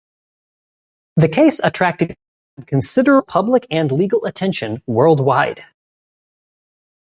The case attracted considerable public and legal attention worldwide.